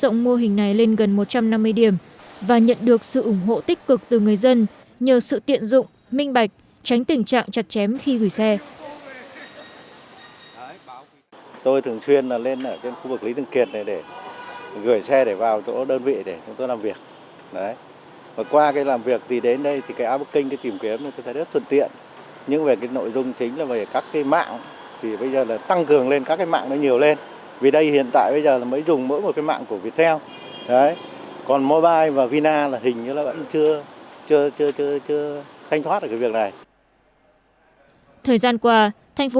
nhận được sự ủng hộ tích cực từ người dân nhờ sự tiện dụng minh bạch tránh tình trạng chặt chém khi gửi xe